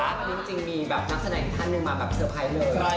วันนี้พอจริงมีนักสนัยที่ท่านนึงมาแบบเซอร์ไพรส์เลย